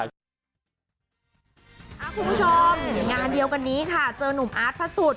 คุณผู้ชมงานเดียวกันนี้ค่ะเจอนุ่มอาร์ตพระสุทธิ